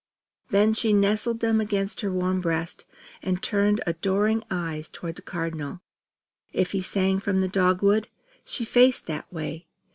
Then she nestled them against her warm breast, and turned adoring eyes toward the Cardinal. If he sang from the dogwood, she faced that way.